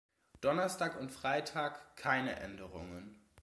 Donnerstag und Freitag: keine Änderungen.